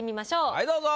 はいどうぞ。